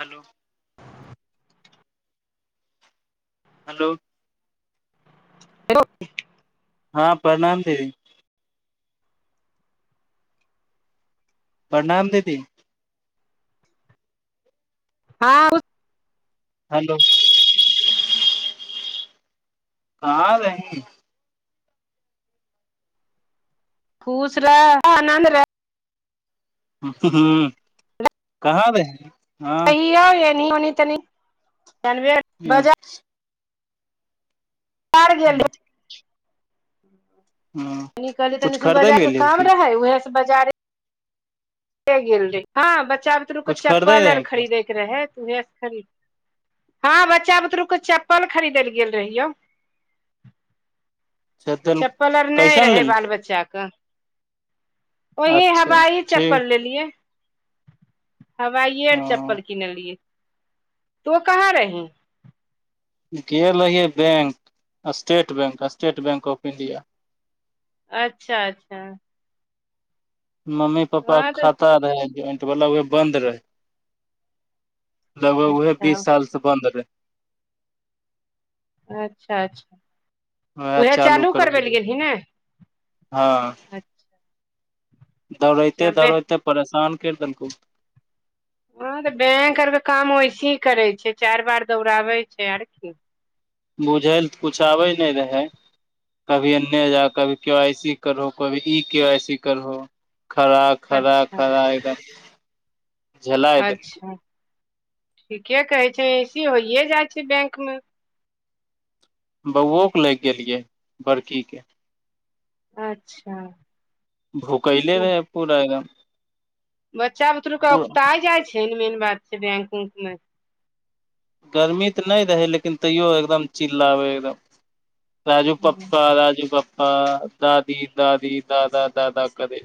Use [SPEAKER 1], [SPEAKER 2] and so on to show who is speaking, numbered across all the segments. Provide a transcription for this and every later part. [SPEAKER 1] Hello hello
[SPEAKER 2] रोट [unintelligible]
[SPEAKER 1] हँ प्रणाम देवी प्रणाम दीदी
[SPEAKER 2] हँ
[SPEAKER 1] हलो हा बहि
[SPEAKER 2] खुश रहे आनन्द रहे
[SPEAKER 1] ह कहाँ दे है ह
[SPEAKER 2] य होनी तनीनबे [unintelligible]
[SPEAKER 1] अ
[SPEAKER 2] कारार गेली कहली तऽ
[SPEAKER 1] कुछ
[SPEAKER 2] निशन
[SPEAKER 1] खरीदै ल
[SPEAKER 2] बाजार के
[SPEAKER 1] गेलियै
[SPEAKER 2] काम
[SPEAKER 1] की
[SPEAKER 2] रहै उएहे से बाजारे गेल रहे हँ बच्चा बुतरुके
[SPEAKER 1] कुछ खरीदै
[SPEAKER 2] चप्पल आर
[SPEAKER 1] रही की
[SPEAKER 2] खरीदे के रहे त उहे खरीद हँ बच्चा बुतरु के चप्पल खरीद ले गेल रहियौ
[SPEAKER 1] [inaudible] चल
[SPEAKER 2] चप्पल आर नहि
[SPEAKER 1] कैसन
[SPEAKER 2] रहय
[SPEAKER 1] लेल
[SPEAKER 2] बाल बच्चाके ओही
[SPEAKER 1] अच्छा
[SPEAKER 2] हवाही चप
[SPEAKER 1] ठीक
[SPEAKER 2] लियए हवाइे
[SPEAKER 1] ह
[SPEAKER 2] चप्पलके किन लियए त तो‌कहाँ रहै
[SPEAKER 1] गेल रहियै bank state bank state bank of India
[SPEAKER 2] अच्छा अच्छा
[SPEAKER 1] मम्मी पापा
[SPEAKER 2] हँ तऽ
[SPEAKER 1] खाता रहे ज्वइंट वालला उह बन्द रहे लगभग उहे
[SPEAKER 2] अच्छा
[SPEAKER 1] बीस साल से बंन्द रहे
[SPEAKER 2] अच्छा अच्छा
[SPEAKER 1] वएह
[SPEAKER 2] उएह चालू करबै लए गेलही ने
[SPEAKER 1] हँच
[SPEAKER 2] अच्छा
[SPEAKER 1] दौड़ते
[SPEAKER 2] छबे
[SPEAKER 1] दौड़ते परेशान करि देलकौ
[SPEAKER 2] हँं तऽ बैंक आरके काम वैसे ही करै छै चारि बार दौड़ाबै छै आर की
[SPEAKER 1] बुझैलए तऽ किछु आबै नहि रहै कभी एन्ने जा कभी के वाइ सी करहो कभी ई के आइ सी करहो खराक खरा
[SPEAKER 2] अच्छा
[SPEAKER 1] खरा एकदम झेलाय देलकै
[SPEAKER 2] अच्छा ठीके कहै छै ऐसे होइए जाइ छै बैंक मे
[SPEAKER 1] बौओके लाग गेलियै बड़कीके
[SPEAKER 2] अच्छा
[SPEAKER 1] भूखैले रहै पूरा एकदम
[SPEAKER 2] बच्चा बुतरुके औगता जाइ छै ने मेन बात छै बैंक मे
[SPEAKER 1] गरमी तऽ नहि रहै लेकिन तैयो एकदम चिललाबै एकदम राजू पप्पा राजू पप्पा दादी दादी दादा दादा करे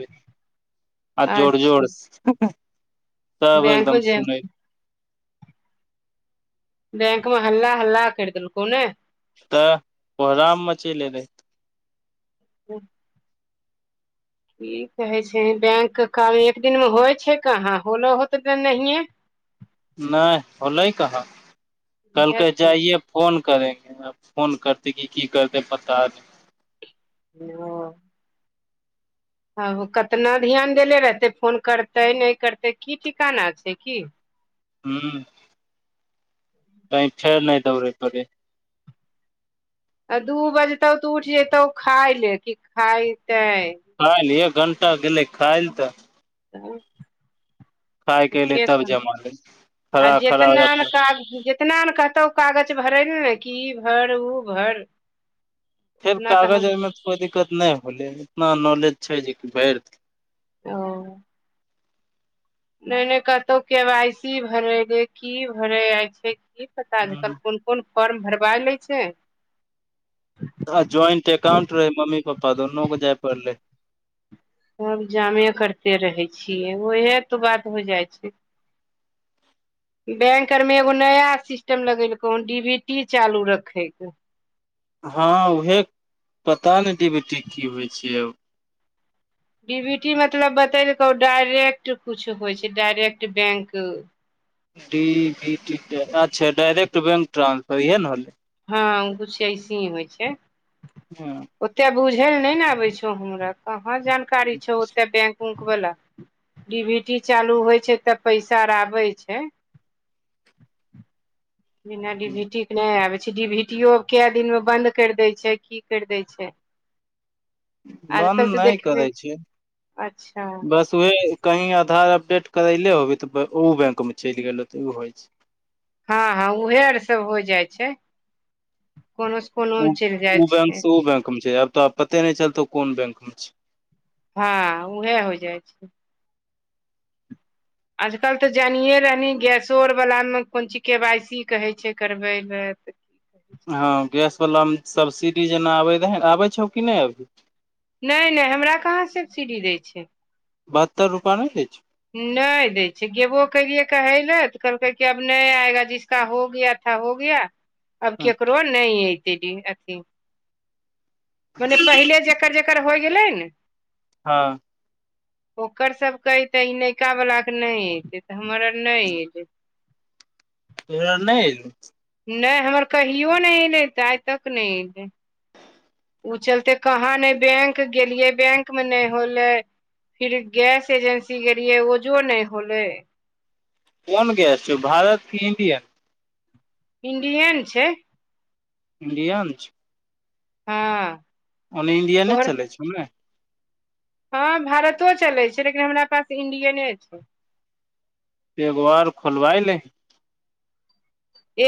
[SPEAKER 1] आ जोर
[SPEAKER 2] अच्छा
[SPEAKER 1] जोर सब
[SPEAKER 2] बैंक
[SPEAKER 1] एकदम
[SPEAKER 2] मे जे
[SPEAKER 1] सुनै
[SPEAKER 2] बैंक में हल्ला हल्ला करि देलको ने
[SPEAKER 1] तऽ कोहराम चले रहे
[SPEAKER 2] तऽ ई कहे छै बैंक के काम एक दिन मे होइ छै कहाँ होलो होत त नहिये
[SPEAKER 1] नहि होलै कहाँ कलकै
[SPEAKER 2] हेतौ
[SPEAKER 1] जाइयए फोन करेंगे फोन करते क की करते पता नहि
[SPEAKER 2] ह [inaudible] ह कतना ध्यान देले रहतै फोन करतै नहि करतै की ठिकाना छै की
[SPEAKER 1] हु कहि फेर नहि दौड़े पड़े
[SPEAKER 2] आ दू बजतौ तऽ उठ जतौ खाय ले क खायते
[SPEAKER 1] खालल एक घंटा गेलै खालल तऽ खाय के एले
[SPEAKER 2] एके [unintelligible]
[SPEAKER 1] तब
[SPEAKER 2] ख
[SPEAKER 1] जमा ले
[SPEAKER 2] आ
[SPEAKER 1] खड़ा खड़ा हो जा
[SPEAKER 2] जेतनामे
[SPEAKER 1] पड़े।
[SPEAKER 2] काग जितना ने कहतौ कागज भरे ने ने कि ई भर ऊ भर
[SPEAKER 1] फेर
[SPEAKER 2] उतना
[SPEAKER 1] कागज
[SPEAKER 2] हम
[SPEAKER 1] ओरमे तऽ कोइ दिक्कत नहि होलै इतना नॉलेज छै जेकि भरि
[SPEAKER 2] ओ नहि नहि कतहु के वाइ सी भरेले की भरे छै की पता कोन कोन फॉर्म भरबा लै छै
[SPEAKER 1] आ ज्वाइंट एकाउंट रहे मम्मी पप्पा दुनू के जाय पड़ले
[SPEAKER 2] सब जामे करते रहै छियै ओहे तऽ बात हो जाइ छै बैंक आरमे एगो नया सिस्टम लगेलकौँ डी बी टी चालू रखैके
[SPEAKER 1] हँ उहे पता नहि डी भी टी की होइ छै
[SPEAKER 2] डी बी टी मतलब बतेलकौ डायरेक्ट कुछ होइ छै direct bank
[SPEAKER 1] D B T अच्छा डायरेक्ट बैंक ट्रांसफर इएह ने होलै
[SPEAKER 2] हँ किछु अऐसे ही होइ छै
[SPEAKER 1] हँ
[SPEAKER 2] ओते बुझे ल ने ने आबे छौ हमरा कहा जानकारी छौ ओते बैंक बेंक वला डी वी टी चालू होइ छै तऽ पैसा आ आबै छै बिना डी भी टी के नहि आबे छै डीभी टी क दिन मे बंद कर दे छै की कर दे छै
[SPEAKER 1] बन्द
[SPEAKER 2] आजकल तऽ
[SPEAKER 1] नहि करै
[SPEAKER 2] देखबे
[SPEAKER 1] छै
[SPEAKER 2] अच्छा
[SPEAKER 1] बस ऊहे कहीं आधार अपडेट करेले होबी त ओ बैंक में चलि गेल ते उ होइ छै
[SPEAKER 2] हँ हँ उहे आर सब हो जाइ छै कोनो कोनो मे चलि जाइ
[SPEAKER 1] ओ
[SPEAKER 2] छै
[SPEAKER 1] बैंक से ओ बैंक मे छै आब तो पते नहि चलतौ कोन बैंक मे छै
[SPEAKER 2] हँ उहाँ हो जाइ छै आजकल तऽ जानियए रहनी गैसो आरवलामे कोन चीज केवाइ सी कहै छै करबै लए
[SPEAKER 1] हँ गैसवलामे सब्सिडी जेना आबैत रह आबै छौ कि नहि अभी
[SPEAKER 2] नहि नहि हमरा कहाँ सब्सिडी दै छैय
[SPEAKER 1] बहत्तर रुपा नहि दे छो
[SPEAKER 2] नहि दै छै गेबो कलियै कहै लए तऽ कहलकै कि आब नहि आएगा जि हो गया था हो गया अब केकरो नहि ऐतय अथी माने पहिले जकर जकर होइ गेलै नऽ
[SPEAKER 1] हँ
[SPEAKER 2] ओकर सभके ऐतऽ ई नयका वलाके नहि हेतय तऽ हमर आर नहि एलय
[SPEAKER 1] तोहर नहि एलो
[SPEAKER 2] नहि हमर कहियो नहि एलै तऽ आइ तक नहि एयलै ओ चलते कहाँ नहि बैंक गेलियै बैंक मऽ नहि होलै फिर गैस एजेंसी गेलियै ओजो नहि होले
[SPEAKER 1] कोन गेस छियो भारत कि इंडियन
[SPEAKER 2] इण्डियन छै
[SPEAKER 1] इंडियन छो
[SPEAKER 2] हँ
[SPEAKER 1] ओने इंडियन
[SPEAKER 2] तोहर
[SPEAKER 1] चलै छौ नऽ
[SPEAKER 2] हँ भारतो चलै छै लेकिन हमरा पास इंडियन छै
[SPEAKER 1] एगो आर खोलबााय ले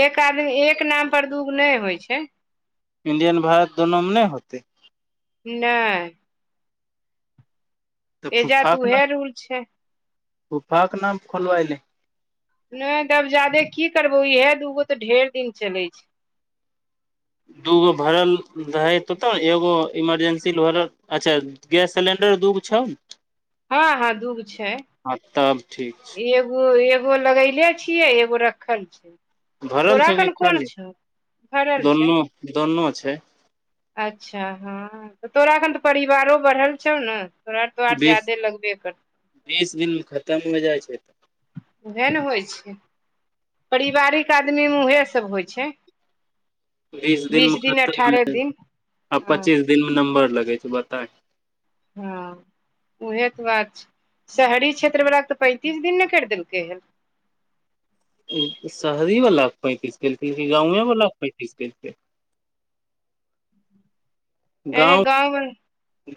[SPEAKER 2] एक आदमी एक नाम पर दुूगो नहि होइ छै
[SPEAKER 1] इंडियन भारत दुनु मे नहि होतै
[SPEAKER 2] नहि
[SPEAKER 1] तऽ
[SPEAKER 2] एजात
[SPEAKER 1] फुफाके
[SPEAKER 2] उहे
[SPEAKER 1] नाम
[SPEAKER 2] रूल छै
[SPEAKER 1] फुफाके नाम खोलबऽ लेऽ
[SPEAKER 2] नहि तब जादे की करबौ इहे दूगो तऽ ढेर दिन चलै छै
[SPEAKER 1] दूगो भरल रहै तोतऽ नऽ एगो इमरजेंसी भरल अच्छा गैस सिलेंडर दूगो छौ नऽ
[SPEAKER 2] हँ हँ दूगो छै
[SPEAKER 1] हँ तब ठीक
[SPEAKER 2] एगो एगो लगैले छियै एगो रखल छै
[SPEAKER 1] छै भरल
[SPEAKER 2] तोरा
[SPEAKER 1] छौ कि
[SPEAKER 2] कोन कोन
[SPEAKER 1] खाली
[SPEAKER 2] छौ भरल छै
[SPEAKER 1] दोनो दोनो छै
[SPEAKER 2] अच्छा हँऽ तोरा एखन तऽ परिवारो बढ़ल छौ नऽ तोरा तऽ और
[SPEAKER 1] बीस
[SPEAKER 2] ज्यदे लगबे करतै
[SPEAKER 1] बीस दिन मऽ खतम हो जाइ छै तऽ
[SPEAKER 2] उएह नऽ होइ छै परारिवारिक आदमी मे उएह सब होइ छै
[SPEAKER 1] बीस दिन मऽ खतम हो होय आ
[SPEAKER 2] हँ
[SPEAKER 1] पच्चीस दिन मऽ नम्बर लगे छै बताए
[SPEAKER 2] हँ उहे तऽ बात छै शहरी क्षेत्र वला के तऽ पैंतीस दिन नऽ करि देलकै हन
[SPEAKER 1] शहरीवलाक के पैंतीस केलके कि गाँवेवला कऽ पैंतीस केलके गाँव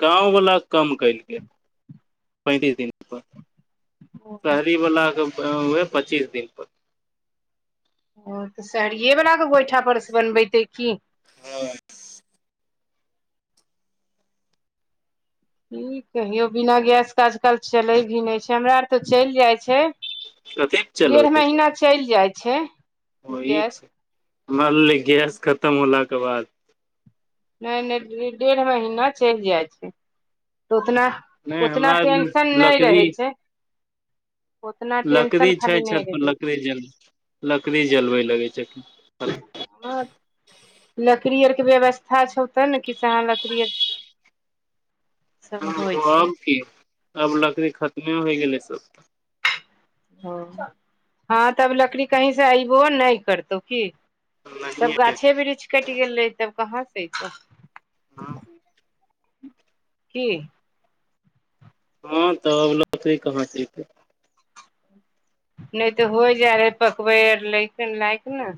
[SPEAKER 1] गाँववाला कम कलकै पैंतीस दिनप शहरीवला कऽ उहाय पच्चीस दिन पर
[SPEAKER 2] ओ तऽ सहरिियएवललाे गोइठा पर सऽ बनबेतै की
[SPEAKER 1] हँ
[SPEAKER 2] कि कहियो बिना गैसके आजकल चलै भी नहि छै हमरा आर तऽ चलि जाइ छै
[SPEAKER 1] कथी
[SPEAKER 2] डेढ़ महीना चलि जाइ छै गैस
[SPEAKER 1] [unintelligible] गेस खतम होलाके बाद
[SPEAKER 2] नै नै डेढ़ महीना चलि जाइ छै तऽ ओतना
[SPEAKER 1] नै हमरा लकड़ी
[SPEAKER 2] उतना
[SPEAKER 1] लकड़ी
[SPEAKER 2] टेंशन
[SPEAKER 1] छै
[SPEAKER 2] खाली नहि
[SPEAKER 1] छत
[SPEAKER 2] रहै
[SPEAKER 1] पर
[SPEAKER 2] छै
[SPEAKER 1] लकड़ी जलबै लकड़ी जलबै लगै छलखिन
[SPEAKER 2] हँ [unintelligible] लकड़ी आर के व्यवस्था छौ तँ ने कि सेहाँ लकड़ी एछौ
[SPEAKER 1] ह
[SPEAKER 2] छै
[SPEAKER 1] आब की अब लकड़ी खतमे होइ गेलै सब
[SPEAKER 2] ह हँ तब लकड़ी कहीं से अयबो नै करतौ की सब
[SPEAKER 1] नहिये
[SPEAKER 2] गाछे वृक्ष कटि गेलै तब कहाँ से एयतौ
[SPEAKER 1] हँ [unintelligible]
[SPEAKER 2] की
[SPEAKER 1] हँ तब लकड़ी कहाँसँ एतै
[SPEAKER 2] नहि तऽ होय जा रहै पकबै लैक लायक ने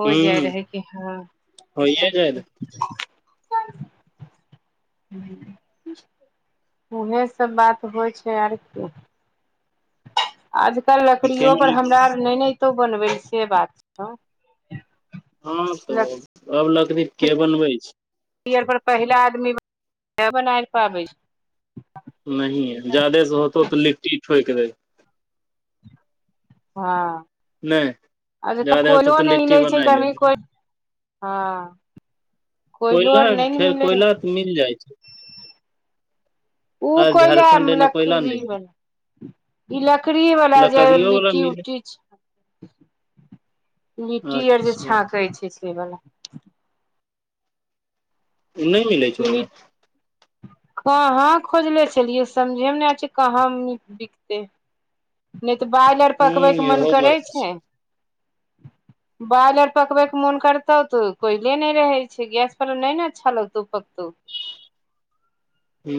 [SPEAKER 2] हो जाइ
[SPEAKER 1] हूँ
[SPEAKER 2] रहै कि हँस
[SPEAKER 1] होइये [inaudible]
[SPEAKER 2] उहे सब बात होइ छै आर कि आजकल लकड़ियो पर
[SPEAKER 1] रहै
[SPEAKER 2] हमरा आर नैनो तो बनबै से बात न
[SPEAKER 1] हँ [unintelligible] अब लकड़ी के बनबै छै
[SPEAKER 2] यियर पर पहिला आदमी बना पाबै छै
[SPEAKER 1] नहिए जादे से होतौ तऽ लिट्टी ठोकि देहि
[SPEAKER 2] हँ
[SPEAKER 1] नहि
[SPEAKER 2] आ ज
[SPEAKER 1] जादे होतौ
[SPEAKER 2] कोलो
[SPEAKER 1] तऽ
[SPEAKER 2] नै
[SPEAKER 1] लिट्टी
[SPEAKER 2] लै छै
[SPEAKER 1] बनाय
[SPEAKER 2] की
[SPEAKER 1] लेबही
[SPEAKER 2] को हँ कोयलो
[SPEAKER 1] कोयला
[SPEAKER 2] आर नहि ने
[SPEAKER 1] खेर
[SPEAKER 2] मिलै छै
[SPEAKER 1] कोयला तऽ मिल जाइ छै
[SPEAKER 2] उ
[SPEAKER 1] आर
[SPEAKER 2] कोइला लैम
[SPEAKER 1] झारखण्ड एने कोयला
[SPEAKER 2] लकड़ी
[SPEAKER 1] नहि मिल
[SPEAKER 2] मे ई लकड़ी वला जे
[SPEAKER 1] लकड़ियो वाला
[SPEAKER 2] लिट्टी
[SPEAKER 1] मिल
[SPEAKER 2] उट्टी छै लिट्टी आर जे
[SPEAKER 1] अच्छा
[SPEAKER 2] छाँकै छै से बला
[SPEAKER 1] नै मिलै छौ ओईमे
[SPEAKER 2] कहाँ खोजले छलियै समझे मे नै आ छै कहाँ बिकते
[SPEAKER 1] [inaudible]
[SPEAKER 2] नै तऽ बालि आर
[SPEAKER 1] ह
[SPEAKER 2] पकबयके मन
[SPEAKER 1] इहो
[SPEAKER 2] करै
[SPEAKER 1] बात
[SPEAKER 2] छै
[SPEAKER 1] [inaudible]
[SPEAKER 2] बाल आर पकबै के मन करतौ तो कोयले नै रहे छै गैस पर नै ने अच्छा लग तौ पकतौ
[SPEAKER 1] हू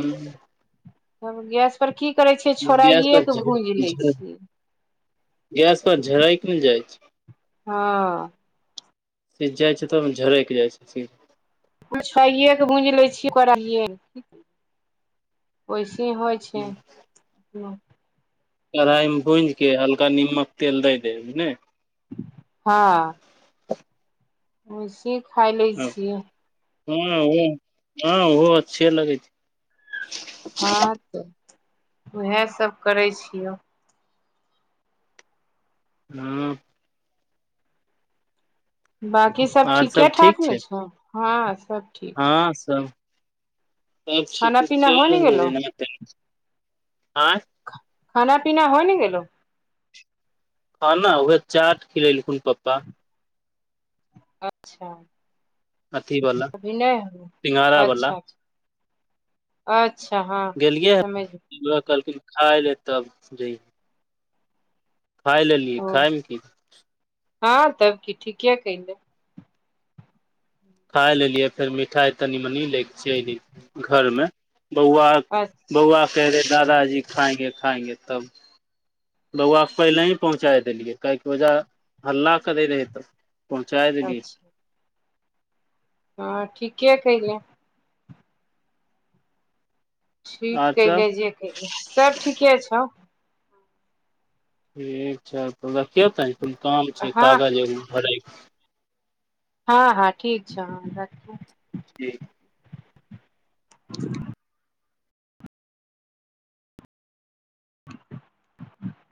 [SPEAKER 2] तब गैस पर की करे छिय
[SPEAKER 1] गैस
[SPEAKER 2] छोड़ाइए के भूज ले छियै
[SPEAKER 1] गेस पर झराय किल जाइ छै
[SPEAKER 2] हँ
[SPEAKER 1] सिझाइ छै त झरैक जाइ छै सि
[SPEAKER 2] क छे के बूज ले छियै कर वैसे ह होइ छै [unintelligible] अच छैा ह [unintelligible]
[SPEAKER 1] कढ़ाइमे भूजि के हल्का निमक तेल दै देब नाय
[SPEAKER 2] हँ वैसे ई खा लै छियै
[SPEAKER 1] हँ ओ हँ ओ अच्छे लगै छै
[SPEAKER 2] हँ तऽ उएहसभ करै छियौ
[SPEAKER 1] हँ
[SPEAKER 2] बाकी सब
[SPEAKER 1] आर ठीक
[SPEAKER 2] ठीकेठाक ने
[SPEAKER 1] छै
[SPEAKER 2] छौ हँ सब ठीक छै
[SPEAKER 1] हँ सब
[SPEAKER 2] खाना पीना होइ ने
[SPEAKER 1] सब
[SPEAKER 2] गेलौ
[SPEAKER 1] [unintelligible] आँय
[SPEAKER 2] खाना पीना होइ ने गेलो
[SPEAKER 1] ह ने उएहे चाट खिलेलखुन पप्पा
[SPEAKER 2] अच्छा
[SPEAKER 1] अथी वाला
[SPEAKER 2] अभी नहि ह
[SPEAKER 1] सिंघाड़ा वाला
[SPEAKER 2] अच्छाच अच्छा हँ
[SPEAKER 1] गेलियै
[SPEAKER 2] समझ
[SPEAKER 1] ह कहलखिन खााय ले तब जैह खाय लेलियै
[SPEAKER 2] ओ
[SPEAKER 1] खाायमे की
[SPEAKER 2] हँ तब की ठीके कले
[SPEAKER 1] खा लेलियै फेर मिठाई तनी मनी ले छिय घर में बौआ
[SPEAKER 2] अच्छा
[SPEAKER 1] बौआ क रहे दादाजी खाएंगे खाएंगे तब बौआके पहिले ही पहुँचा देलियै काहेकि ओहिजा हल्ला करै रहै तऽ पहुँचाय देलीयै
[SPEAKER 2] अच्छा हँ ठीके कहिले ठीक
[SPEAKER 1] आर
[SPEAKER 2] कले
[SPEAKER 1] सब
[SPEAKER 2] जे कयले सब ठीके छौ
[SPEAKER 1] ठीक छै तऽ रखियौ ते तनी काम छै
[SPEAKER 2] हँ
[SPEAKER 1] कागज एगो भरय
[SPEAKER 2] हँ हँ ठीक छ हँ राखू
[SPEAKER 1] ज
[SPEAKER 2] [unintelligible] [inaudible]